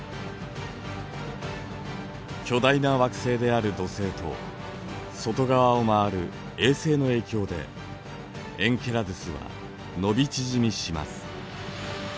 巨大な惑星である土星と外側を回る衛星の影響でエンケラドゥスは伸び縮みします。